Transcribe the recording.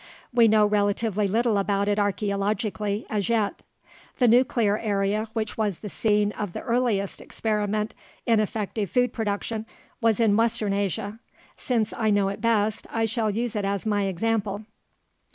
We know relatively little about it archeologically, as yet. The nuclear area which was the scene of the earliest experiment in effective food production was in western Asia. Since I know it best, I shall use it as my example.